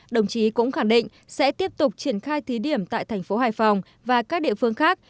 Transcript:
đồng chí cũng khẳng định sẽ tiếp tục triển khai thí điểm tại thành phố hải phòng và các địa phương khác